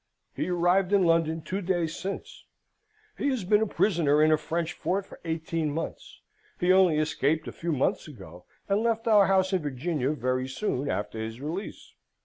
"He arrived in London two days since. He has been a prisoner in a French fort for eighteen months; he only escaped a few months ago, and left our house in Virginia very soon after his release."